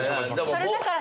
それだから。